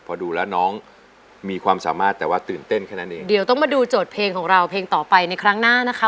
พอดูแล้วน้องมีความสามารถแต่ว่าตื่นเต้นแค่นั้นเองเดี๋ยวต้องมาดูโจทย์เพลงของเราเพลงต่อไปในครั้งหน้านะคะ